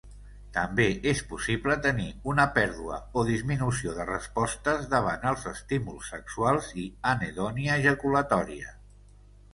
També és possible tenir una pèrdua o disminució de respostes davant els estímuls sexuals i anhedonia jaculatòria.